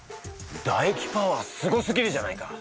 だ液パワーすごすぎるじゃないか。